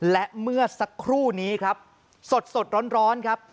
และเมื่อสักครู่นี้ครับสดร้อนครับ